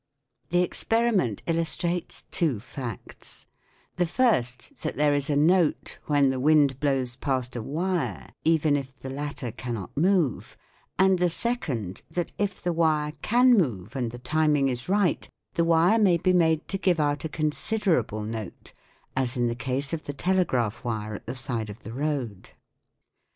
The ex periment illustrates two facts : the first, that there is a note when the wind blows past a wire, even if the latter cannot move ; and the second, that if the wire can move, and the timing is right, the wire may be made to give out a considerable note, as in the case of the telegraph wire at the side of the road.